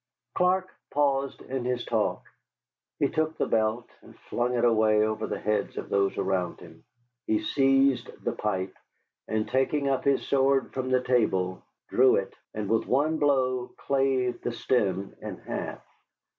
Clark paused in his talk. He took the belt, and flung it away over the heads of those around him. He seized the pipe, and taking up his sword from the table drew it, and with one blow clave the stem in half.